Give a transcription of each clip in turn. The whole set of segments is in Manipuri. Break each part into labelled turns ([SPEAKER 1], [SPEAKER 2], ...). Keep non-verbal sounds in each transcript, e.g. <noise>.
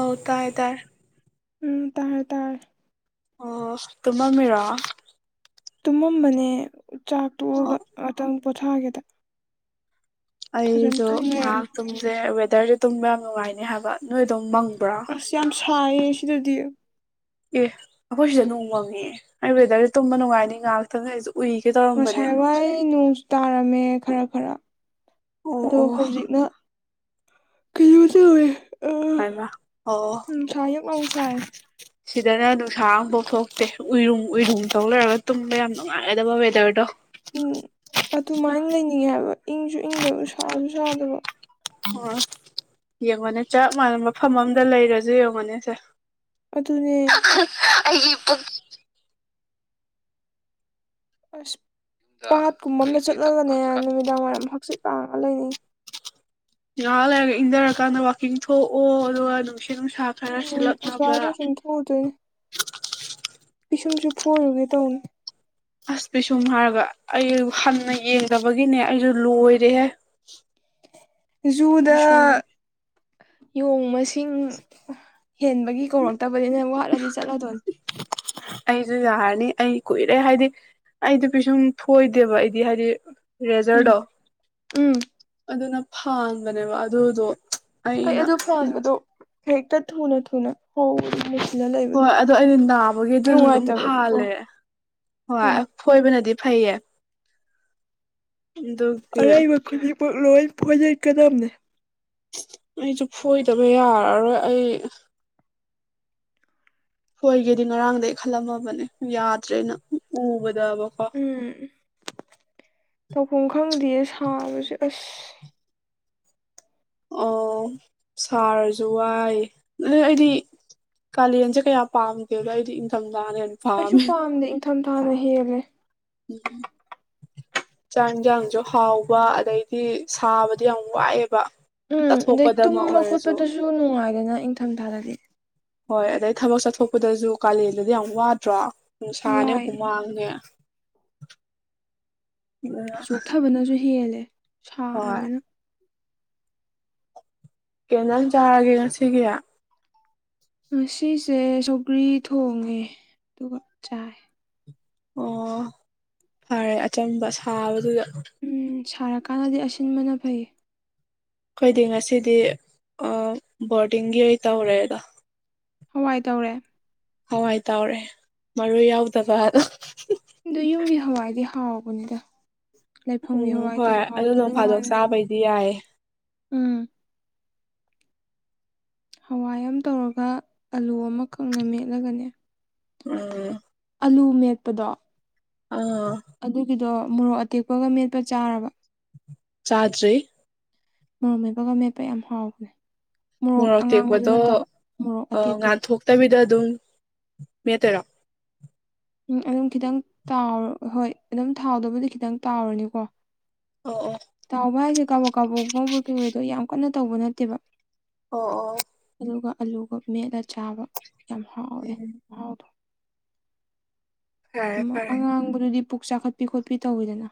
[SPEAKER 1] ꯑꯣ ꯇꯥꯌꯦ ꯇꯥꯔꯦ
[SPEAKER 2] ꯎꯝ ꯇꯥꯔꯦ ꯇꯥꯥꯔꯦ
[SPEAKER 1] ꯑꯣ ꯇꯨꯝꯃꯝ ꯃꯤꯔꯣ
[SPEAKER 2] ꯇꯨꯝꯃꯝꯕꯅꯦ ꯆꯥꯛ ꯇꯣꯛꯑꯒ ꯉꯥꯛꯇꯪ ꯄꯣꯊꯥꯒꯦꯗ ꯐꯖꯅ
[SPEAKER 1] ꯑꯩꯖꯨ
[SPEAKER 2] ꯇꯨꯝ ꯂꯩꯔꯝꯃꯦ
[SPEAKER 1] ꯉꯥꯍꯥꯛ ꯇꯨꯝꯖꯦ ꯋꯦꯗꯔꯖꯦ ꯇꯨꯝꯕ ꯌꯥꯝ ꯅꯨꯡꯉꯥꯏꯅꯤ ꯍꯥꯏꯕ ꯅꯣꯏ ꯑꯗꯣꯝ ꯃꯪꯕ꯭ꯔꯣ
[SPEAKER 2] ꯑꯁ ꯌꯥꯝ ꯁꯥꯏꯌꯦ ꯁꯤꯗꯗꯤ
[SPEAKER 1] ꯑꯦ ꯑꯩꯈꯣꯏ ꯁꯤꯗ ꯅꯣꯡ ꯃꯪꯉꯦ ꯑꯩ ꯋꯦꯗꯔꯖꯦ ꯇꯨꯝꯕ ꯅꯨꯡꯉꯥꯏꯅꯤ ꯉꯥꯛꯇꯪ ꯑꯣꯢꯖꯨ
[SPEAKER 2] ꯉꯁꯥꯏ ꯋꯥꯏ ꯅꯣꯡꯁꯨ ꯇꯥꯔꯝꯃꯦ ꯈꯔ ꯈꯔ
[SPEAKER 1] ꯑꯣ
[SPEAKER 2] ꯑꯗꯣ
[SPEAKER 1] ꯑꯣ
[SPEAKER 2] ꯍꯧꯖꯤꯛꯅ ꯀꯩꯅꯣ <unintelligible> ꯆꯧꯋꯦ ꯎ ꯎꯝ
[SPEAKER 1] ꯍꯥꯏꯃ ꯑꯣ
[SPEAKER 2] ꯅꯨꯡꯁꯥ ꯍꯛꯂꯧꯅꯁꯥꯏ
[SPEAKER 1] ꯁꯤꯗꯅ ꯅꯨꯡꯁꯥ ꯑꯃꯐꯥꯎ ꯊꯣꯛꯇꯦ ꯎꯏꯔꯨꯝ ꯎꯏꯔꯨꯝ ꯇꯧ ꯂꯩꯔꯒ ꯇꯨꯝꯕ ꯌꯥꯝ ꯅꯨꯡꯉꯥꯏꯒꯗꯕ ꯋꯦꯗꯔꯗꯣ
[SPEAKER 2] ꯎꯝ ꯑꯗꯨꯃꯥꯏꯅ ꯂꯩꯅꯤꯡꯉꯦ ꯍꯥꯏꯕ ꯏꯪꯁꯨ ꯏꯪꯗꯕ ꯁꯥꯁꯨ ꯁꯥꯗꯕ
[SPEAKER 1] ꯑꯣ ꯌꯦꯡꯉꯣꯅꯦ ꯆꯞ ꯃꯥꯟ ꯃꯐꯝ ꯑꯃꯗ ꯂꯩꯔꯁꯨ ꯌꯦꯡꯉꯣꯅꯦ ꯁꯦ
[SPEAKER 2] ꯑꯗꯨꯅꯦ ꯑꯩꯒꯤ ꯄꯨꯛ ꯑꯁ ꯄꯥꯠ ꯀꯨꯝꯕ ꯑꯃ ꯆꯠꯂꯒꯅꯦ ꯅꯨꯃꯤꯗꯥꯡ ꯋꯥꯏꯔꯝ ꯍꯪꯆꯤꯠ ꯂꯥꯡꯉꯒ ꯂꯩꯅꯤꯡ
[SPEAKER 1] ꯉꯥꯏꯍꯥꯛ ꯂꯩꯔꯒ ꯏꯪꯊꯔꯀꯥꯟꯗ ꯋꯥꯛꯀꯤꯡ ꯊꯣꯛꯑꯣ ꯑꯗꯨꯒ ꯅꯨꯡꯁꯤꯠ ꯅꯨꯡꯁꯥ ꯈꯔ
[SPEAKER 2] ꯎꯝ
[SPEAKER 1] ꯁꯤꯠꯂꯛꯅꯕ
[SPEAKER 2] ꯑꯁ꯭ꯋꯥꯏꯐꯥꯎ ꯁꯨꯝ ꯊꯣꯛꯎꯗꯣꯏꯅꯦ ꯄꯤꯁꯨꯝꯁꯨ ꯐꯣꯏꯔꯨꯒꯦ ꯇꯧꯕꯅꯦ
[SPEAKER 1] ꯑꯁ ꯄꯤꯁꯨꯝ ꯍꯥꯏꯔꯒ ꯑꯩ ꯍꯟꯅ ꯌꯦꯡꯗꯕꯒꯤꯅꯦ ꯑꯩꯁꯨ ꯂꯣꯏꯔꯦꯍꯦ
[SPEAKER 2] ꯖꯨꯗꯥ
[SPEAKER 1] ꯄꯤꯁꯨꯝ
[SPEAKER 2] ꯌꯣꯡ ꯃꯁꯤꯡ ꯍꯦꯟꯕꯒꯤ ꯀꯧꯔꯛꯇꯕꯅꯤ ꯅꯪ ꯋꯥꯠꯂꯗꯤ ꯆꯠꯂꯗꯣꯏꯅꯤ
[SPEAKER 1] ꯑꯩꯖꯨ ꯌꯥꯔꯅꯤ ꯑꯩ ꯀꯨꯏꯔꯦ ꯍꯥꯏꯗꯤ ꯑꯩꯗꯤ ꯄꯤꯁꯨꯝ ꯐꯣꯏꯗꯦꯕ ꯑꯩꯗꯤ ꯍꯥꯏꯗꯤ
[SPEAKER 2] ꯎꯝ
[SPEAKER 1] ꯔꯦꯖꯔꯗꯣ
[SPEAKER 2] ꯎꯝ
[SPEAKER 1] ꯑꯗꯨꯅ ꯐꯥꯟꯕꯅꯦꯕ ꯑꯗꯨꯗꯣ
[SPEAKER 2] ꯑꯩ
[SPEAKER 1] ꯑꯩꯅ
[SPEAKER 2] ꯑꯗꯨ ꯐꯥꯟꯕꯗꯣ ꯍꯦꯛꯇ ꯊꯨꯅ ꯊꯨꯅ ꯍꯧꯏ
[SPEAKER 1] ꯍꯣꯏ ꯑꯗꯣ ꯑꯩꯗꯤ ꯅꯥꯕꯒꯤ ꯑꯗꯨꯅ ꯑꯗꯨꯝ
[SPEAKER 2] ꯅꯨꯡꯉꯥꯏꯇꯕꯒꯤꯀꯣ
[SPEAKER 1] ꯐꯥꯜꯂꯦ ꯍꯣꯏ
[SPEAKER 2] ꯎꯝ
[SPEAKER 1] ꯐꯣꯏꯕꯅꯗꯤ ꯐꯩꯌꯦ ꯑꯗꯨ
[SPEAKER 2] ꯑꯔꯩꯕ ꯈꯨꯗꯤꯡꯃꯛ ꯂꯣꯏ ꯐꯣꯏꯗꯠꯀꯗꯝꯅꯦ
[SPEAKER 1] ꯑꯩꯁꯨ ꯐꯣꯏꯗꯕ ꯌꯥꯔꯔꯣꯏ ꯑꯩ ꯐꯣꯏꯒꯦꯗꯤ ꯉꯔꯥꯡꯗꯩ ꯈꯜꯂꯝꯃꯕꯅꯦ ꯌꯥꯗ꯭ꯔꯦꯅ ꯎꯕꯗꯕꯀꯣ
[SPEAKER 2] ꯎꯝ ꯇꯧꯐꯝ ꯈꯪꯗꯤꯌꯦ ꯁꯥꯕꯁꯦ ꯑꯁ
[SPEAKER 1] ꯑꯣ ꯁꯔꯖꯨꯋꯥꯏ ꯑꯗꯨ ꯑꯩꯗꯤ ꯀꯥꯂꯦꯟꯁꯦ ꯀꯌꯥ ꯄꯥꯝꯗꯦꯕ ꯑꯩꯗꯤ ꯏꯪꯊꯝꯊꯥꯅ ꯍꯦꯟꯅ
[SPEAKER 2] ꯑꯩꯁꯨ
[SPEAKER 1] ꯄꯥꯝꯃꯦ
[SPEAKER 2] ꯄꯥꯝꯗꯦ ꯏꯪꯊꯝꯊꯥꯅ ꯍꯦꯜꯂꯦ
[SPEAKER 1] ꯎꯝ ꯆꯥꯛ ꯏꯟꯖꯥꯡꯁꯨ ꯍꯥꯎꯕ ꯑꯗꯩꯗꯤ ꯁꯥꯕꯗꯤ ꯌꯥꯝ ꯋꯥꯏꯑꯦꯕ
[SPEAKER 2] ꯎꯝ ꯑꯗꯩ
[SPEAKER 1] ꯆꯠꯊꯣꯛꯄꯗ ꯑꯃ
[SPEAKER 2] ꯇꯨꯝꯕ
[SPEAKER 1] ꯑꯣꯏꯔꯁꯨ
[SPEAKER 2] ꯈꯣꯠꯄꯗꯨꯁꯨ ꯅꯨꯡꯉꯥꯏꯗꯅ ꯏꯪꯊꯝꯊꯥꯗꯗꯤ
[SPEAKER 1] ꯍꯣꯏ ꯑꯗꯩ ꯊꯕꯛ ꯆꯠꯊꯣꯛꯄꯗꯁꯨ ꯀꯥꯂꯦꯟꯗꯗꯤ ꯌꯥꯝ ꯋꯥꯗ꯭ꯔꯣ ꯅꯨꯡꯁꯥꯅꯦ
[SPEAKER 2] ꯋꯥꯏ
[SPEAKER 1] ꯍꯨꯃꯥꯡꯅꯦ
[SPEAKER 2] ꯆꯣꯛꯊꯕꯅꯁꯨ ꯍꯦꯜꯂꯦ
[SPEAKER 1] ꯍꯣꯏ
[SPEAKER 2] ꯁꯥꯔꯕꯅꯤꯅ
[SPEAKER 1] ꯀꯩ ꯌꯦꯟꯖꯥꯡ ꯆꯥꯔꯒꯦ ꯉꯁꯤꯒꯤ
[SPEAKER 2] ꯉꯁꯤꯁꯦ ꯁꯧꯒ꯭ꯔꯤ ꯊꯣꯡꯉꯦ ꯑꯗꯨꯒ ꯆꯥꯏ
[SPEAKER 1] ꯑꯣ ꯐꯔꯦ ꯑꯆꯝꯕ ꯁꯥꯕꯗꯨꯗ
[SPEAKER 2] ꯎꯝ ꯁꯥꯔꯀꯥꯟꯗꯗꯤ ꯑꯁꯤꯟꯕꯅ ꯐꯩꯌꯦ
[SPEAKER 1] ꯑꯩꯈꯣꯏꯗꯤ ꯉꯁꯤꯗꯤ ꯑ ꯕꯣꯔꯗꯤꯡꯒꯤ ꯑꯣꯏ ꯇꯧꯔꯦꯗꯣ
[SPEAKER 2] ꯍꯋꯥꯏ ꯇꯧꯔꯦ
[SPEAKER 1] ꯍꯋꯥꯏ ꯇꯥꯎꯔꯦ ꯃꯔꯨ ꯌꯥꯎꯗꯕ ꯑꯗꯣ
[SPEAKER 2] ꯑꯗꯨ ꯌꯨꯝꯒꯤ ꯍꯋꯥꯏꯗꯤ ꯍꯥꯎꯕꯅꯤꯗ ꯂꯩꯐꯝꯒꯤ ꯍꯋꯥꯏꯇꯕꯨ ꯍꯥꯎꯇꯕꯩ ꯋꯥꯅꯤ
[SPEAKER 1] ꯆꯕꯩꯗꯤ ꯌꯥꯥꯏꯌꯦ
[SPEAKER 2] ꯎꯝ ꯍꯋꯥꯏ ꯑꯃ ꯇꯧꯔꯒ ꯑꯂꯨ ꯑꯃ ꯀꯪꯃꯦꯠ ꯃꯦꯠꯂꯒꯅꯦ
[SPEAKER 1] ꯎꯝ
[SPEAKER 2] ꯑꯂꯨ ꯃꯦꯠꯄꯗꯣ
[SPEAKER 1] ꯑꯥ
[SPEAKER 2] ꯑꯗꯨꯒꯤꯗꯣ ꯃꯣꯔꯣꯛ ꯑꯇꯦꯛꯄꯒ ꯃꯦꯠꯄ ꯆꯥꯔꯕꯥ
[SPEAKER 1] ꯆꯥꯗ꯭ꯔꯤ
[SPEAKER 2] ꯃꯣꯔꯣꯛ ꯃꯦꯠꯄꯒ ꯃꯦꯠꯄ ꯌꯥꯝ ꯍꯥꯎꯕꯅꯦ ꯃꯣꯔꯣꯛ ꯑꯉꯥꯡꯕꯗꯨ ꯅꯠꯇꯕ ꯃꯣꯔꯣꯛ ꯑꯇꯦꯛꯄꯗꯣ
[SPEAKER 1] ꯇꯕꯤꯗ ꯑꯗꯨꯝ ꯃꯦꯠꯇꫭꯏꯔꫭ
[SPEAKER 2] ꯎꯝ ꯑꯗꯨꯝ ꯈꯤꯇꯪ ꯇꯥꯎꯔ ꯍꯣꯏ ꯑꯗꯨꯝ ꯊꯥꯎꯗꯕꯨꯗꯤ ꯈꯤꯇꯪ ꯇꯥꯎꯔꯅꯤꯀꯣ
[SPEAKER 1] ꯑꯣ ꯑꯣ
[SPEAKER 2] ꯇꯥꯎꯕ ꯍꯥꯏꯁꯦ ꯀꯥꯕꯣꯛ ꯀꯥꯕꯣꯛ ꯉꯧꯕꫭꯏ ꯀꯩꯕ‌ꯣꯏ ꯇꯧ ꯌꯥꯝ ꯀꯟꯅ ꯇꯥꯎꯕ ꯅꯠꯇꯦꯕ
[SPEAKER 1] ꯑꯣ ꯑꯣ
[SPEAKER 2] ꯑꯗꯨꯒ ꯑꯂꯨꯒ ꯃꯦꯠꯂ ꯆꯥꯕ ꯌꯥꯝ ꯍꯥꯎꯋꯦ
[SPEAKER 1] ꯎꯝ
[SPEAKER 2] ꯃꯍꯥꯎꯗꯣ
[SPEAKER 1] ꯐꯔꯦ
[SPEAKER 2] ꯑꯝ
[SPEAKER 1] ꯐꯔꯦ
[SPEAKER 2] ꯑꯉꯥꯡꯕꯗꯨꯗꯤ ꯄꯨꯛ ꯆꯥꯈꯠꯄꯤ ꯈꯣꯠꯄꯤ ꯇꯧꯋꯤꯗꯅꯥ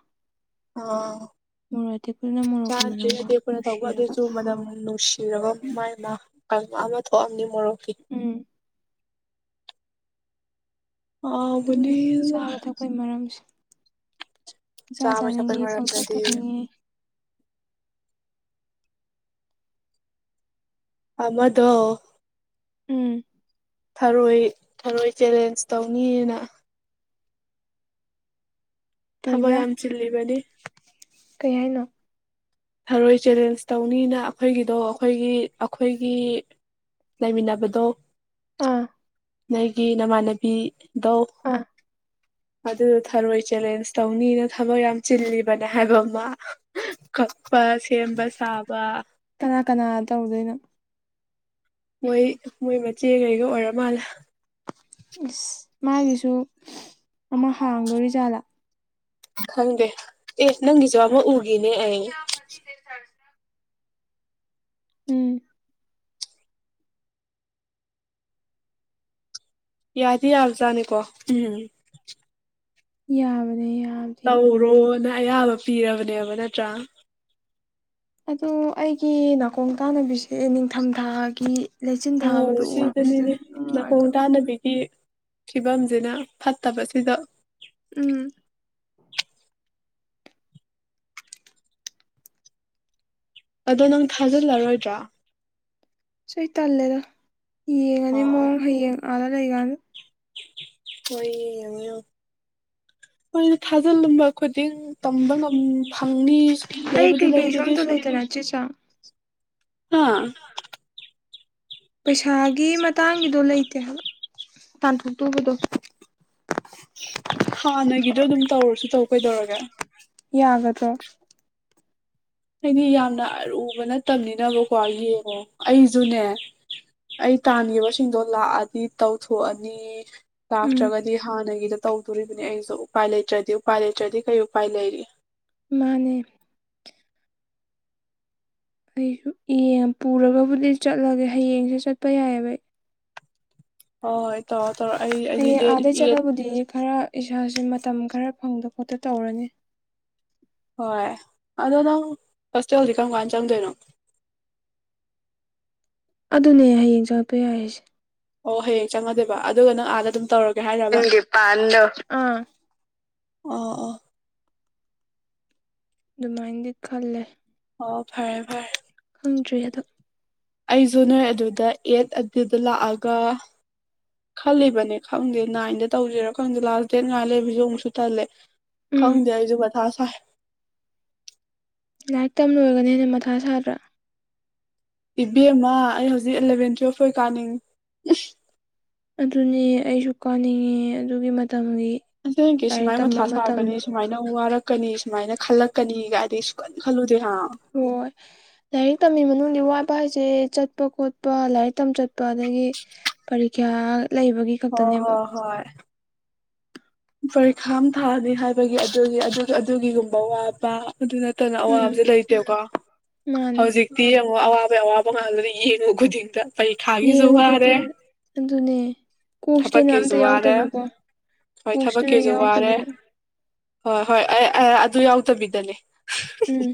[SPEAKER 1] ꯑ
[SPEAKER 2] ꯃꯣꯔꯣꯛꯀꯤ
[SPEAKER 1] ꯆꯥꯗꯔꯤꯗꯤ
[SPEAKER 2] ꯃꯅꯝꯒ
[SPEAKER 1] ꯑꯇ‌ꯦꯛ ꯄꯅꯥ ꯇꯧꯕꯥ
[SPEAKER 2] ꯅꯨꯡꯁꯤꯔꯒ
[SPEAKER 1] ꯑꯗꯨꯑ‌ꯣꯏꯁꯨ ꯃꯅꯝ
[SPEAKER 2] ꯍꯥꯎꯋꯦ
[SPEAKER 1] ꯅꯨꯡꯁꯤ <unintelligible> ꯑꯃ ꯊꯣꯛꯑꯝꯅꯤ ꯃꯣꯔꯣꯛꯀꯤ
[SPEAKER 2] ꯎꯝ
[SPEAKER 1] ꯍꯥꯎꯕꯅꯤ
[SPEAKER 2] ꯑꯗꯨꯅ‌ꯦ ꯆꯥꯕꯥ ꯊꯛꯄꯩ ꯃꯔꯝꯁꯦ ꯄꯪꯆꯥ
[SPEAKER 1] ꯆꯥꯕꯩ ꯊꯛꯄꯩ
[SPEAKER 2] ꯆꯥꯅꯤꯡꯉꯤ ꯄꯪꯊꯛ
[SPEAKER 1] ꯃꯔꯝꯗꯗꯤ
[SPEAKER 2] ꯊꯛꯅꯤꯡꯉꯤ
[SPEAKER 1] ꯑꯃꯗꯣ
[SPEAKER 2] ꯎꯝ
[SPEAKER 1] ꯊꯔꯣꯏ ꯊꯔꯣꯏ ꯆꯦꯂꯦꯟꯁ ꯇꯧꯅꯤꯌ‌ꯦꯅꯥ ꯊꯕꯛ
[SPEAKER 2] ꯀꯩꯕ
[SPEAKER 1] ꯌꯥꯝ ꯆꯤꯜꯂꯤꯕꯅꯤ
[SPEAKER 2] ꯀꯩ ꯍꯥꯏꯅꯣ
[SPEAKER 1] ꯊꯔꯣꯏ ꯆꯦꯂꯦꯟꯁ ꯇꯧꯅꯤꯅ ꯑꯩꯈꯣꯏꯒꯤꯗꯣ ꯑꯩꯈꯣꯏꯒꯤ ꯑꯩꯈꯣꯏꯒꯤ ꯂꯩꯃꯤꯟꯅꯕꯗꯣ
[SPEAKER 2] ꯑꯥ
[SPEAKER 1] ꯅꯪꯏꯒꯤ ꯅꯃꯥꯟꯅꯕꯤ ꯗꯣ
[SPEAKER 2] ꯑꯥ
[SPEAKER 1] ꯑꯗꯨ ꯊꯔꯣꯏ ꯆꯦꯂꯦꯟꯁ ꯇꯧꯅꯤꯅ ꯊꯕꯛ ꯌꯥꯝ ꯆꯤꯜꯂꯤꯕꯅꯦ ꯍꯥꯏꯕ ꯃꯥ ꯀꯛꯄ ꯁꯦꯝꯕ ꯁꯕꯥ
[SPEAKER 2] ꯀꯅꯥ ꯀꯅꯥ ꯇꯧꯗꯣꯏꯅꯣ
[SPEAKER 1] ꯃꯣꯏ ꯃꯣꯏ ꯃꯆꯦ ꯀꯩꯒ ꯑꯣꯏꯔ ꯃꯥꯜꯂꯦ
[SPEAKER 2] ꯏꯁ ꯃꯥꯒꯤꯁꯨ ꯑꯃꯥ ꯍꯥꯡꯗꯣꯔꯤ ꯖꯥꯠꯂꯥ
[SPEAKER 1] ꯈꯪꯗꯦ ꯑꯦ ꯅꯪꯒꯤꯁꯨ ꯑꯃꯥ ꯎꯒꯤꯅꯦ ꯑꯩ
[SPEAKER 2] <unintelligible> ꯎꯝ
[SPEAKER 1] ꯌꯥꯗꯤ ꯌꯥꯕꯖꯥꯠꯅꯤꯀꯣ ꯎꯝ
[SPEAKER 2] ꯌꯥꯕꯅꯦ ꯌꯥꯕ
[SPEAKER 1] ꯇꯧꯔꯣꯅ ꯑꯌꯥꯕ ꯄꯤꯔꯕꯅꯦꯕ ꯅꯠꯇ꯭ꯔꯥ
[SPEAKER 2] ꯑꯗ‌ꯣ ꯑꯩꯒꯤ ꯅꯥꯀꯣꯡ ꯇꯥꯅꯕꯤꯁꯦ ꯅꯤꯡꯊꯝꯊꯥꯒꯤ ꯂꯩꯆꯤꯟ ꯊꯥꯕꯗꯨ ꯎꯕꯁꯤꯗ
[SPEAKER 1] ꯅꯀꫭꯡ ꯇꯥꯅꯕꯤꯒꯤ ꯐꯤꯕꯝꯖꯤꯅꯥ ꯐꯠꯇꯕꯁꯤꯗ
[SPEAKER 2] ꯎꯝ
[SPEAKER 1] ꯑꯗꯣ ꯅꯪ ꯊꯥꯖꯜꯂꯔꯣꯏꯗ꯭ꯔꯣ
[SPEAKER 2] ꯑꯁ ꯑꯩ ꯇꯜꯂꯦꯗ ꯌꯦꯡꯉꯅꯤ
[SPEAKER 1] ꯑꯣ
[SPEAKER 2] ꯃꯑꯣꯡ ꯍꯌꯦꯡ ꯑꯗꯥ ꯂꯩꯀꯥꯟ
[SPEAKER 1] ꯍꯣꯏ ꯌ‌ꯦꯡꯉ‌ꯣ ꯍꯣꯏꯅ ꯊꯥꯖꯤꯜꯂꯝꯕ ꯈꯨꯗꯤꯡ ꯇꯝꯕ ꯉꯝ ꯐꯪꯅꯤ ꯂꯩꯕꯨꯗꯤ ꯂꯩꯇꯦ ꯑꯗꯨꯑꯣꯏꯁꯨ
[SPEAKER 2] ꯑꯌꯥ ꯆ‌ꯦ ꯆꯥꯡ
[SPEAKER 1] ꯍꯥ
[SPEAKER 2] ꯄꯩꯁꯥꯒꯤ ꯃꯇꯥꯡꯒꯤꯗꯣ ꯂꯩꯇꯦ ꯍꯥꯏꯕ ꯇꯥꯟꯊꫭꯛꯇꯧꯕꯗꫭ
[SPEAKER 1] ꯍꯥꯟꯅꯒꯤꯗꯣ ꯑꯗꯨꯝ ꯇꯧꯔꯁꯨ ꯇꯧ ꯀꯩꯗꯧꯔꯒꯦ
[SPEAKER 2] ꯌꯥꯒꯗ꯭ꯔꯣ
[SPEAKER 1] ꯍꯥꯏꯗꯤ ꯌꯥꯝꯅ ꯑꯔꯨꯕ ꯅꯠꯇꯝꯅꯤꯅꯕꯀꯣ ꯌꯦꯡꯉꯣ ꯑꯩꯖꯨꯅꯦ ꯑꯩ ꯇꯥꯟꯈꯤꯕꯁꯤꯡꯗꯣ ꯂꯥꯛꯑꯗꯤ ꯇꯧꯊꯣꯛꯑꯅꯤ
[SPEAKER 2] ꯎꯝ
[SPEAKER 1] ꯂꯥꯛꯇ꯭ꯔꯒꯗꯤ ꯍꯥꯟꯅꯒꯤꯗ ꯇꯧꯗꯣꯔꯤꯕꯅꯤ ꯑꯩ ꯁꯨ ꯎꯄꯥꯏ ꯂꯩꯇ꯭ꯔꯗꯤ ꯎꯄꯥꯏ ꯂꯩꯇ꯭ꯔꯗꯤ ꯀꯩ ꯎꯄꯥꯏ ꯂꯩꯔꯤ
[SPEAKER 2] ꯃꯥꯅꯦ ꯑꯩꯁꯨ ꯌꯦꯡ ꯄꯨꯔꯒꯕꯨꯗꯤ ꯆꯠꯂꯒꯦ ꯍꯌꯦꯡꯁꯦ ꯆꯠꯄ ꯌꯥꯏꯑꯕ ꯑꯩ
[SPEAKER 1] ꯍꫭ ꯍꫭꯏ ꯇꯧꯔꫭ ꯇꯧꯔꫭ ꯑꯩ ꯑꯩꯗꯤ
[SPEAKER 2] ꯍꯌꯦꯡ
[SPEAKER 1] ꯗꯦꯠ
[SPEAKER 2] ꯑꯥꯗꯩ
[SPEAKER 1] ꯑꯦꯠ
[SPEAKER 2] ꯆꯠꯂꯕꯨꯗꯤ ꯈꯔ ꯏꯁꯥꯁꯦ ꯃꯇꯝ ꯈꯔ ꯐꯪꯗ ꯈꯣꯠꯇ ꯇꯧꯔꯅꯤ꯫
[SPEAKER 1] ꯍꯣꯏ ꯑꯗꯣ ꯅꯪ ꯍꯣꯁꯇꯦꯜꯗꯤ ꯀꯔꯝ ꯀꯥꯟꯗ ꯆꯪꯗꯣꯏꯅꯣ꯫
[SPEAKER 2] ꯑꯗꯨꯅꯦ ꯍꯌꯦꯡ ꯆꯠꯉꯛꯄ ꯌꯥꯏ ꯍꯥꯏꯔꯤꯁꯦ꯫
[SPEAKER 1] ꯑꯣ ꯍꯌꯦꯡ ꯆꯪꯉꯗꯣꯏꯕ ꯑꯗꯨꯒ ꯅꯪ ꯑꯥꯗ ꯑꯗꯨꯝ ꯇꯧꯔꯛ
[SPEAKER 2] ꯅꯪꯒꯤ ꯄꯥꯟꯗꯨ ꯑꯥ꯫
[SPEAKER 1] ꯑꯣ ꯑꯣ꯫
[SPEAKER 2] ꯑꯗꯨꯃꯥꯏꯅꯗꯤ ꯈꯜꯂꯦ꯫
[SPEAKER 1] ꯑꯣ ꯐꯔꯦ ꯐꯔꯦ꯫
[SPEAKER 2] ꯈꯪꯗ꯭ꯔꯦ ꯑꯗꯣ꯫
[SPEAKER 1] ꯑꯩꯁꯨ ꯅꯣꯏ ꯑꯗꯨꯗ ꯑꯦꯠ ꯑꯗꯨꯗ ꯂꯥꯛꯑꯒ꯫ ꯈꯜꯂꯤꯕꯅꯦ ꯈꯪꯗꯦ ꯅꯥꯏꯟꯗ ꯇꯧꯁꯤꯔ ꯈꯪꯗꯦ ꯂꯥꯁ ꯗꯦꯠ ꯉꯥꯏ ꯂꯩꯕꯁꯨ ꯑꯃꯨꯛꯁꯨ ꯇꯜꯂꯦ꯫
[SPEAKER 2] ꯎꯝ
[SPEAKER 1] ꯈꯪꯗꯦ ꯑꯩꯁꯨ ꯃꯊꯥ ꯁꯥꯏ꯫
[SPEAKER 2] ꯂꯥꯏꯔꯤꯛ ꯇꯝꯂꯣꯏꯔꯒꯅ ꯍꯦꯟꯅ ꯃꯊꯥ ꯁꯥꯗ꯭ꯔꯥ꯫
[SPEAKER 1] ꯏꯕꯦꯝꯃ ꯑꯩ ꯍꯧꯖꯤꯛ ꯑꯦꯂꯚꯦꯟ ꯇꯨꯋꯦꯜꯐ ꯑꯣꯏ ꯀꯥꯅꯤꯡꯉꯤ꯫
[SPEAKER 2] ꯑꯗꯨꯅꯦ ꯑꯩꯁꯨ ꯀꯥꯅꯤꯡꯉꯦ ꯑꯗꯨꯒꯤ ꯃꯇꯝꯒꯤ꯫
[SPEAKER 1] ꯑꯁꯦꯡꯀꯤ
[SPEAKER 2] ꯂꯥꯏꯔꯤꯛ
[SPEAKER 1] ꯁꯨꯃꯥꯏꯅ
[SPEAKER 2] ꯇꯝꯕ
[SPEAKER 1] ꯃꯊꯥ ꯁꯥꯔꯛꯀꯅꯤ
[SPEAKER 2] ꯃꯇꯝꯗꯣ
[SPEAKER 1] ꯁꯨꯃꯥꯏꯅ ꯋꯥꯔꯛ ꯀꯅꯤ ꯁꯨꯃꯥꯏꯅ ꯈꯜꯂꯛꯀꯅꯤꯒꯥꯏꯗꯤ ꯁꯨꯡꯈꯟ ꯈꯟꯂꯨꯗꯦ ꯍꯥ꯫
[SPEAKER 2] ꯍꯣꯏ꯫ ꯂꯥꯏꯔꯤꯛ ꯇꯝꯃꯤ ꯃꯅꯨꯡꯗ ꯋꯥꯠꯕ ꯍꯥꯏꯁꯦ ꯆꯠꯄ ꯈꯣꯠꯄ ꯂꯥꯏꯔꯤꯛ ꯇꯝ ꯆꯠꯄ ꯑꯗꯒꯤ꯫ ꯄꯔꯤꯈ꯭ꯌꯥ ꯂꯩꯕꯒꯤ꯫
[SPEAKER 1] ꯍꯣ
[SPEAKER 2] ꯈꯛꯇꯅꯦꯕ
[SPEAKER 1] ꯍꯣ ꯍꯣꯏ꯫ ꯄꯔꯤꯈꯥꯝ ꯑꯃ ꯊꯥꯅꯤ ꯍꯥꯏꯕꯒꯤ ꯑꯗꯨꯒꯤ ꯑꯗꯨꯒꯤꯒꯨꯝꯕ ꯋꯥꯠꯄ꯫ ꯑꯗꯨ ꯅꯠꯇꯅ
[SPEAKER 2] ꯎꯝ
[SPEAKER 1] ꯑꯋꯥꯕꯁꯨ ꯂꯩꯇꯦꯀꯣ
[SPEAKER 2] ꯃꯥꯅꯦ
[SPEAKER 1] ꯍꯧꯖꯤꯛ꯫ ꯇꯤ ꯌꯦꯡꯉꯣ ꯑꯋꯥꯕꯩ ꯑꯋꯥꯕ ꯉꯥꯛꯇꯅꯤ ꯌꯦꯡꯉꯨ ꯈꯨꯗꯤꯡꯗ꯫ ꯄꯩꯈꯥꯒꯤꯁꯨ
[SPEAKER 2] ꯌꯦꯡꯉꯨ
[SPEAKER 1] ꯋꯥꯔꯦ
[SPEAKER 2] ꯈꯨꯗꯤꯡꯗ ꯑꯗꯨꯅꯦ ꯀꯣꯛꯁꯤꯗꯅ
[SPEAKER 1] ꯊꯕꯛꯀꯤꯖꯨ
[SPEAKER 2] ꯑꯝꯇ
[SPEAKER 1] ꯋꯥꯔꯦ꯫
[SPEAKER 2] ꯌꯥꯎꯗꯕꯤꯀꯣ
[SPEAKER 1] ꯍꯣꯏ
[SPEAKER 2] ꯀꯣꯛꯁꯤꯗꯅ
[SPEAKER 1] ꯊꯕꯛꯀꯤꯁꯨ ꯋꯥꯔꯦ
[SPEAKER 2] ꯌꯥꯎꯗꯕꯤꯗ
[SPEAKER 1] ꯍꯣꯏ ꯍꯣꯏ ꯑꯩ ꯑꯗꯨ ꯌꯥꯎꯇꯕꯤꯗꯅꯦ꯫
[SPEAKER 2] ꯎꯝ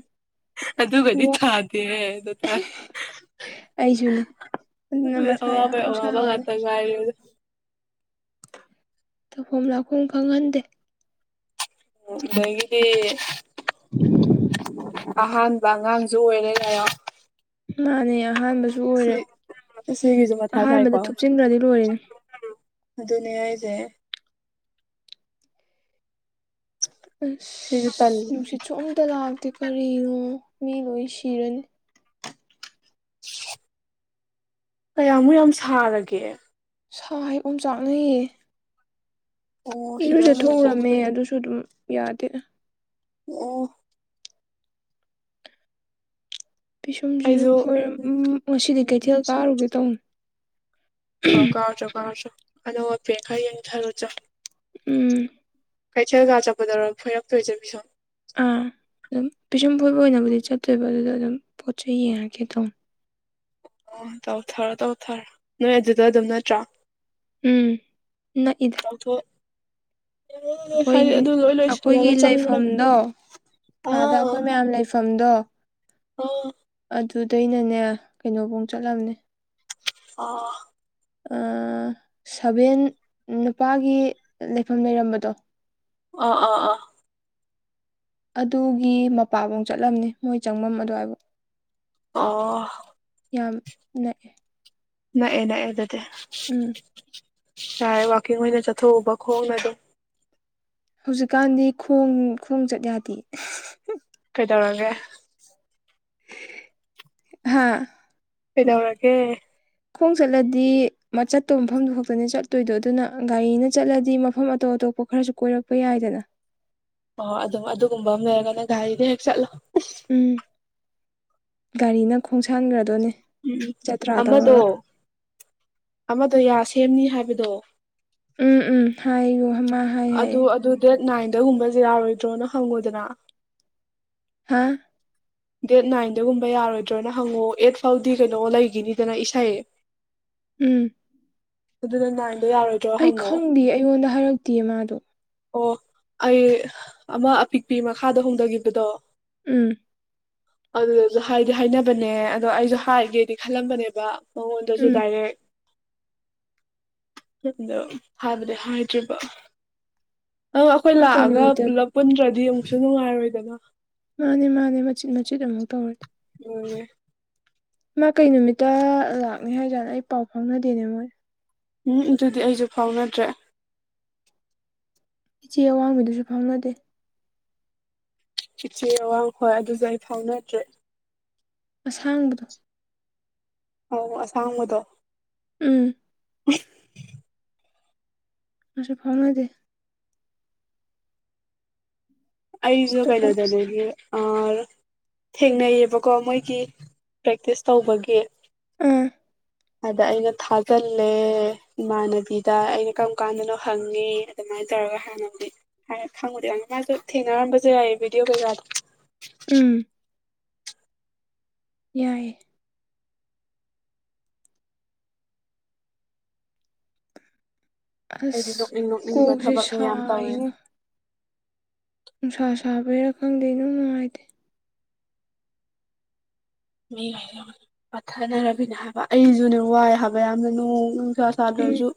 [SPEAKER 1] ꯑꯗꯨꯒꯗꯤ ꯊꯥꯗꯦꯍꯦ ꯗꯣ ꯇꯥꯔꯦ꯫
[SPEAKER 2] ꯑꯩꯁꯨꯅꯦ ꯑꯗꯨꯅ ꯃꯊꯥ
[SPEAKER 1] ꯑꯋꯥꯕꯩ
[SPEAKER 2] ꯌꯥꯝ
[SPEAKER 1] ꯑꯋꯥꯕ
[SPEAKER 2] ꯁꯥꯍꯜꯂꯦ
[SPEAKER 1] ꯉꯥꯛꯇ ꯉꯥꯏꯗꯨ꯫
[SPEAKER 2] ꯇꯧꯐꯝ ꯂꯥꯛꯐꯝ ꯈꯪꯍꯟꯗꯦ꯫
[SPEAKER 1] ꯃꯒꯤꯗꯤ ꯑꯍꯥꯟ ꯑꯉꯥꯡꯁꯨ ꯑꯣꯏꯔꯦ ꯀꯥꯏꯌꯣ꯫
[SPEAKER 2] ꯃꯥꯅꯦ ꯑꯍꯥꯟꯕꯁꯨ ꯑꯣꯏꯔꯦ
[SPEAKER 1] ꯁꯤ ꯁꯤꯒꯤꯁꯨ ꯃꯊꯥ ꯁꯥꯏꯀꯣ
[SPEAKER 2] ꯑꯍꯥꯟꯕꯗ ꯊꯨꯞꯆꯤꯟꯈ꯭ꯔꯗꯤ ꯂꯣꯏꯔꯦꯅꯦ꯫
[SPEAKER 1] ꯑꯗꯨꯅꯦ ꯍꯥꯏꯁꯦ꯫ ꯁꯤꯁꯨ
[SPEAKER 2] ꯑꯁ
[SPEAKER 1] ꯇꯜꯂꯦ
[SPEAKER 2] ꯅꯨꯡꯁꯤꯠꯁꯨ ꯑꯃꯇ ꯂꯥꯛꯇꯦ ꯀꯔꯤꯅꯣ ꯃꯤ ꯂꯣꯏ ꯁꯤꯔꯅꯤ꯫
[SPEAKER 1] ꯀꯌꯥꯃꯨꯛ ꯌꯥꯝ ꯁꯥꯔꯒꯦ꯫
[SPEAKER 2] ꯁꯥꯏ ꯑꯣꯝ ꯆꯥꯛꯅꯩꯌꯦ꯫
[SPEAKER 1] ꯑꯣ ꯁꯤꯗ
[SPEAKER 2] ꯏꯔꯨꯖ ꯊꯣꯛꯎꯔꯝꯅꯦ
[SPEAKER 1] ꯅꯨꯃꯤꯠꯊꯣꯛꯇ꯭ꯔꯤ
[SPEAKER 2] ꯑꯗꯨꯁꯨ ꯑꯗꯨꯝ ꯌꯥꯗꯦ꯫
[SPEAKER 1] ꯑꯣ꯫
[SPEAKER 2] ꯄꯤꯁꯨꯝꯁꯤꯁꯨ
[SPEAKER 1] ꯑꯩꯁꯨ
[SPEAKER 2] ꯐꯣꯏ ꯎꯝ ꯉꯁꯤꯗꯤ
[SPEAKER 1] ꯎꯝ
[SPEAKER 2] ꯀꯩꯊꯦꯜ ꯀꯥꯔꯨꯒꯦ ꯇꯧꯅꯤ꯫
[SPEAKER 1] ꯑ ꯀꯥꯎꯔꯨꯆꯣ ꯀꯥꯎꯔꯨꯆꯣ ꯑꯅꯧ ꯑꯄꯦꯠ ꯈꯔ ꯌꯦꯡꯊꯔꯨ ꯆꯣ꯫
[SPEAKER 2] ꯎꯝ꯫
[SPEAKER 1] ꯀꯩꯊꯦꯜ ꯀ ꯆꯠꯄꯗꯔꯣ ꯐꯣꯏꯔꯛꯇꯣꯏꯁꯦ ꯄꯤꯁꯨꯝ꯫
[SPEAKER 2] ꯑꯥ ꯑꯗꯨꯝ ꯄꯤꯁꯨꯝ ꯐꯣꯏꯕ ꯑꯣꯏꯅꯕꯨꯗꯤ ꯆꯠꯇꯣꯏꯕ ꯑꯗꯨꯗ ꯑꯗꯨꯝ ꯄꯣꯠ ꯆꯩꯩ ꯌꯦꯡꯉꯛꯒꯦ ꯇꯧꯅꯤ꯫
[SPEAKER 1] ꯑꯣ ꯇꯧ ꯊꯔꯣ ꯇꯧ ꯊꯔꯣ ꯅꯣꯏ ꯑꯗꯨꯗ ꯑꯗꯨꯝ ꯅꯠꯇ꯭ꯔꯣ꯫
[SPEAKER 2] ꯎꯝ ꯅꯛꯏ
[SPEAKER 1] ꯄꯨꯊꯣꯛ
[SPEAKER 2] ꯑꯩꯈꯣꯏ ꯑꯩꯈꯣꯏꯒꯤ
[SPEAKER 1] ꯂꯣꯏꯁꯤꯜꯂꯒ ꯆꯪꯕꯗ
[SPEAKER 2] ꯂꯩꯐꯝꯗꯣ ꯑꯥꯗ
[SPEAKER 1] ꯑꯥ
[SPEAKER 2] ꯑꯩꯈꯣꯏ ꯃꯌꯥꯝ ꯂꯩꯐꯝꯗꯣ
[SPEAKER 1] ꯑꯥ
[SPEAKER 2] ꯑꯗꯨꯗꯩꯅꯅꯦ ꯀꯩꯅꯣꯕꯣꯡ ꯆꯠꯂꯝꯅꯤ
[SPEAKER 1] ꯑꯥ
[SPEAKER 2] ꯑꯥ ꯁꯚꯦꯟ ꯅꯨꯄꯥꯒꯤ ꯂꯩꯐꯝ ꯂꯩꯔꯝꯕꯗꯣ
[SPEAKER 1] ꯑꯥ ꯑꯥ ꯑꯥ
[SPEAKER 2] ꯑꯗꯨꯒꯤ ꯃꯄꯥꯚꯨꯡ ꯆꯠꯂꯝꯅꯤ ꯃꯣꯏ ꯆꯪꯚꯝ ꯑꯗꯨꯋꯥꯏꯕꯨ
[SPEAKER 1] ꯑꯣ
[SPEAKER 2] ꯌꯥꯝ ꯅꯛꯑꯦ
[SPEAKER 1] ꯅꯛꯑꯦ ꯅꯛꯑꯦ ꯑꯗꯨꯗꯤ
[SPEAKER 2] ꯎꯝ
[SPEAKER 1] ꯌꯥꯔꯦ ꯋꯥꯀꯤꯡ ꯑꯣꯏꯅ ꯆꯠꯊꯣꯛꯎꯕ ꯈꯣꯡꯅ ꯑꯗꯨꯝ
[SPEAKER 2] ꯍꯧꯖꯤꯛꯀꯥꯟꯗꯤ ꯈꯣꯡ ꯈꯣꯡꯆꯠ ꯌꯥꯗꯦ
[SPEAKER 1] ꯀꯩꯗꯧꯔꯒꯦ
[SPEAKER 2] ꯍꯥꯥ
[SPEAKER 1] ꯀꯩꯗꯧꯔꯒꯦ
[SPEAKER 2] ꯈꯣꯡ ꯆꯠꯂꯗꯤ ꯃꯆꯠꯇꯧ ꯃꯐꯝꯗꯨ ꯈꯛꯇꯅꯦ ꯆꯠꯇꯣꯏꯗꯣ ꯑꯗꯨꯅ ꯒꯥꯔꯤꯅ ꯆꯠꯂꯗꯤ ꯃꯐꯝ ꯑꯇꯣꯞ ꯑꯇꯣꯞꯄ ꯈꯔꯁꯨ ꯀꯣꯏꯔꯛꯄ ꯌꯥꯏꯗꯅ
[SPEAKER 1] ꯑꯣ ꯑꯗꯨꯝ ꯑꯗꯨꯒꯨꯝꯕ ꯑꯃ ꯂꯩꯔꯒꯅ ꯒꯥꯔꯤꯗ ꯍꯦꯛ ꯆꯠꯂꯣ
[SPEAKER 2] ꯎꯝ ꯒꯥꯔꯤꯅ ꯈꯣꯡꯁꯥꯟꯒ꯭ꯔꯗꯣꯅꯦ
[SPEAKER 1] ꯎꯝ ꯑꯃꯗꯣ ꯑꯃꯗꯣ ꯌꯥ ꯁꯦꯝꯅꯤ ꯍꯥꯏꯕꯗꯣ
[SPEAKER 2] ꯎꯝ ꯎꯝ ꯍꯥꯏꯌꯨ ꯍꯃꯥ
[SPEAKER 1] ꯑꯗꯨ ꯑꯗꯨ ꯗꯦꯠ ꯅꯥꯏꯟꯗꯒꯨꯝꯕ ꯖꯦꯌꯥꯔꯣꯏꯗ꯭ꯔꯣꯅ ꯍꯪꯉꯨꯗꯅ
[SPEAKER 2] ꯍꯥ
[SPEAKER 1] ꯗꯦꯠ ꯅꯥꯏꯟꯗꯒꯨꯝꯕ ꯌꯥꯔꯣꯏꯗ꯭ꯔꯣꯅ ꯍꯪꯉꯛꯑꯣ ꯑꯦꯠ ꯐꯥꯎꯗꯤ ꯀꯩꯅꯣ ꯂꯩꯒꯤꯅꯤꯗꯅ ꯏꯁꯩ
[SPEAKER 2] ꯎꯝ
[SPEAKER 1] ꯑꯗꯨꯅ ꯅꯥꯏꯗꯣ ꯌꯥꯔꯣꯏ
[SPEAKER 2] ꯑꯩ ꯈꯪꯗꯦ ꯑꯩꯉꯣꯟꯗ ꯍꯥꯏꯔꯛꯇꯤꯌꯦ ꯃꯥꯗꯣ
[SPEAKER 1] ꯑꯣ ꯑꯩ ꯑꯃ ꯑꯄꯤꯛꯄꯤ ꯃꯈꯥꯗ ꯍꯣꯡꯗꯒꯤꯕꯗꯣ
[SPEAKER 2] ꯎꯝ
[SPEAKER 1] ꯑꯗꯨꯗꯁꯨ ꯍꯥꯏꯗꯤ ꯍꯥꯏꯅꯕꯅꯦ ꯑꯗꯣ ꯑꯩꯖꯨ ꯍꯥꯏꯒꯦꯗꯤ ꯈꯜꯂꯝꯕꯅꯦꯕ ꯃꯉꯣꯟꯗꯖꯨ
[SPEAKER 2] ꯎꯝ
[SPEAKER 1] ꯗꯥꯏꯔꯦꯛ ꯑꯗꯣ ꯍꯥꯏꯕꯗꯤ ꯍꯥꯏꯗ꯭ꯔꯤꯕ ꯅꯪ ꯑꯩꯈꯣꯏ
[SPEAKER 2] ꯃꯥ ꯀꯩ
[SPEAKER 1] ꯂꯥꯛꯑꯒ
[SPEAKER 2] ꯅꯨꯃꯤꯠꯇ
[SPEAKER 1] ꯄꯨꯂꯞ ꯄꯨꯟꯗ꯭ꯔꯗꯤ ꯑꯃꯨꯛꯁꯨ ꯅꯨꯡꯉꯥꯏꯔꯣꯏꯗꯅ
[SPEAKER 2] ꯃꯥꯅꯦ ꯃꯥꯅꯦ ꯃꯆꯤꯠ ꯃꯆꯤꯠ ꯑꯃꯨꯛ ꯇꯧꯔꯗꯤ
[SPEAKER 1] ꯑꯝ ꯅꯦ
[SPEAKER 2] ꯃꯥ ꯀꯩ ꯅꯨꯃꯤꯠꯇ ꯂꯥꯛꯅꯤ ꯍꯥꯏꯖꯥꯠꯂ ꯑꯩ ꯄꯥꯎ ꯐꯥꯎꯅꯗꯦꯅꯦ ꯃꯣꯏ
[SPEAKER 1] ꯎꯝ ꯑꯗꯨꯗꯤ ꯑꯩꯖꯨ ꯐꯥꯎꯅꯗ꯭ꯔꯦ
[SPEAKER 2] ꯏꯆꯦ ꯑꯋꯥꯡꯕꯤꯗꯨꯖꯨ ꯐꯥꯎꯅꯗꯦ
[SPEAKER 1] ꯆꯤꯆꯦ ꯑꯋꯥꯡ ꯍꯣꯏ ꯑꯗꯨꯖꯨ ꯑꯩ ꯐꯥꯎꯅꯗ꯭ꯔꯦ
[SPEAKER 2] ꯑꯁꯥꯡꯕꯗꯣ
[SPEAKER 1] ꯑꯧ ꯑꯁꯥꯡꯕꯗꯣ
[SPEAKER 2] ꯎꯝ ꯃꯥꯁꯨ ꯐꯥꯎꯅꯗꯦ ꯑꯁ
[SPEAKER 1] ꯑꯩꯖꯨ
[SPEAKER 2] ꯇꯧꯐꯝ
[SPEAKER 1] ꯀꯩꯅꯣꯗ ꯂꯦꯒꯤ ꯑꯥ ꯔ ꯊꯦꯡꯅꯩꯌꯦꯕꯀꯣ ꯃꯣꯏꯒꯤ ꯄ꯭ꯔꯦꯛꯇꯤꯁ ꯇꯧꯕꯒꯤ
[SPEAKER 2] ꯎꯝ
[SPEAKER 1] ꯑꯗ ꯑꯩꯅ ꯊꯥꯖꯜꯂꯦ ꯏꯃꯥꯟꯅꯕꯤꯗ ꯑꯩꯅ ꯀꯔꯝ ꯀꯥꯟꯗꯅꯣ ꯍꯪꯉꯦ ꯑꯗꯨꯃꯥꯏꯅ ꯇꯧꯔꯒ ꯍꯥꯟꯅꯕꯨꯗꯤ ꯍꯥꯏꯔ ꯈꯪꯕꯨꯗꯤ ꯈꯪꯅꯤ ꯃꯥꯁꯨ ꯊꯦꯡꯅꯔꯝꯕꯁꯨ ꯌꯥꯏꯌꯦ ꯕꯤꯗꯤꯑꯣ ꯀꯩꯀꯥꯗꯣ
[SPEAKER 2] ꯎꯝ ꯌꯥꯏ
[SPEAKER 1] ꯑꯩꯗꯤ
[SPEAKER 2] ꯑꯁ
[SPEAKER 1] ꯅꯣꯛꯅꯤꯡ ꯅꯣꯛꯅꯤꯡꯕ
[SPEAKER 2] ꯀꯣꯛꯒꯁꯦ
[SPEAKER 1] ꯊꯕꯛꯅꯦ ꯌꯥꯝ ꯇꯧꯔꯦ
[SPEAKER 2] ꯁꯥꯣ ꯅꯨꯡꯁꯥ ꯁꯥꯕꯔꯥ ꯈꯪꯗꯦ ꯑꯗꯨꯝ ꯅꯨꯡꯉꯥꯏꯇꯦ
[SPEAKER 1] ꯄꯠꯊꯅꯔꯕꯤꯅꯦ ꯍꯥꯏꯕ ꯑꯩꯁꯨꯅꯦ ꯋꯥꯏ ꯍꯥꯏꯕ ꯌꯥꯝꯅ ꯅꯣꯡ
[SPEAKER 2] ꯎꯝ
[SPEAKER 1] ꯆꯗ꯭ꯔꯁꯨ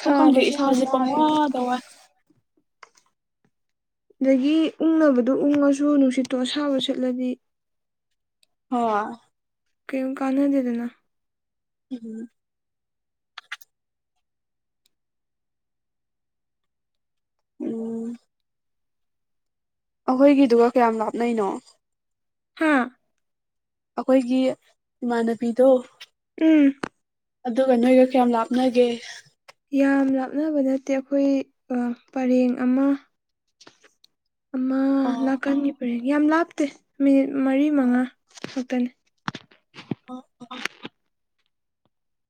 [SPEAKER 1] ꯁꯨꯝ ꯈꯪꯗꯦ
[SPEAKER 2] ꯌꯥꯝ
[SPEAKER 1] ꯏꯁꯥꯁꯦ
[SPEAKER 2] ꯋꯥꯏꯑꯦꯕ
[SPEAKER 1] ꯄꯪꯋꯥꯗ ꯋꯥꯏ
[SPEAKER 2] ꯑꯗꯒꯤ ꯎꯪꯅꯕꯗꯣ ꯎꯉꯁꯨ ꯅꯨꯡꯁꯤꯠꯇꯣ ꯑꯁꯥꯕ ꯆꯠꯂꯗꯤ
[SPEAKER 1] <unintelligible>
[SPEAKER 2] ꯀꯣꯃ ꯀꯥꯅꯗꯦꯗꯅ
[SPEAKER 1] <unintelligible> ꯎꯝ ꯑꯩꯈꯣꯏꯒꯤꯗꯨꯒ ꯀꯌꯥꯝ ꯂꯥꯞꯅꯅꯣ
[SPEAKER 2] ꯍꯥꯥ
[SPEAKER 1] ꯑꯩꯈꯣꯏꯒꯤ ꯏꯃꯥꯟꯅꯕꯤꯗꯣ
[SPEAKER 2] ꯎꯝ
[SPEAKER 1] ꯑꯗꯨꯒ ꯅꯣꯏꯒ ꯀꯌꯥꯝ ꯂꯥꯞꯅꯒꯦ
[SPEAKER 2] ꯌꯥꯝ ꯂꯥꯞꯅꯕ ꯅꯠꯇꯦ ꯑꯩꯈꯣꯏ ꯄꯔꯦꯡ ꯑꯃ ꯑꯃ
[SPEAKER 1] ꯑꯣ
[SPEAKER 2] ꯅꯥꯀꯟꯒꯤ ꯄꯔꯦꯡ ꯌꯥꯝ ꯂꯥꯞꯇꯦ ꯃꯤꯅꯤꯠ ꯃꯔꯤ ꯃꯉꯥ
[SPEAKER 1] ꯑꯣ
[SPEAKER 2] ꯈꯛꯇꯅꯦ
[SPEAKER 1] <unintelligible>